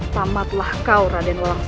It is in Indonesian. tamatlah kau raden langsung sah